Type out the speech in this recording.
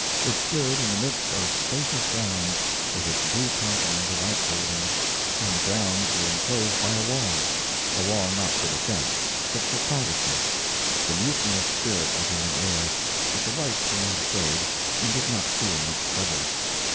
It stood in the midst of spacious grounds, with its due complement of outbuildings, and the grounds were enclosed by a wall a wall not for defense, but for privacy. The mutinous spirit was in the air, but the whites were not afraid, and did not feel much troubled.